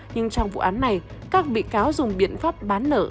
nhưng trong vụ án này các bị cáo dùng biện pháp bán nợ